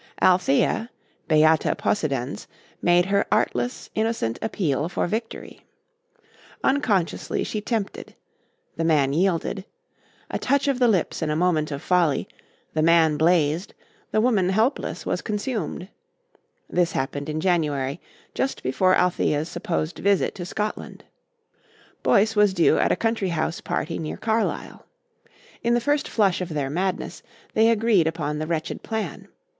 Althea, beata possidens, made her artless, innocent appeal for victory. Unconsciously she tempted. The man yielded. A touch of the lips in a moment of folly, the man blazed, the woman helpless was consumed. This happened in January, just before Althea's supposed visit to Scotland. Boyce was due at a Country House party near Carlisle. In the first flush of their madness they agreed upon the wretched plan.